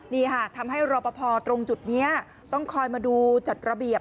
นี่ค่ะทำให้รอปภตรงจุดนี้ต้องคอยมาดูจัดระเบียบ